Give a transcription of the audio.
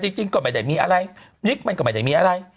จริงก็ไม่ได้มีอะไรลิกมันก็ไม่ได้มีอะไร